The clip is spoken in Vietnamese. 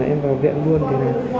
em vào viện luôn